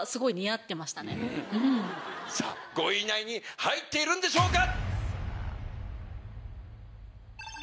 ５位以内に入っているんでしょうか